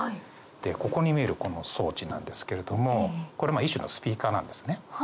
ここに見えるこの装置なんですけれどもこれ一種のスピーカーなんですね。